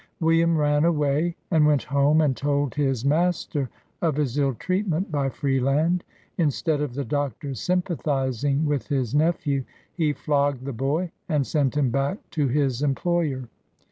William ran away, and went home and told his mas ter of his ill treatment by Freeland. Instead of the Doctor sympathizing with his nephew, he flogged the boy, and sent him back to his employer.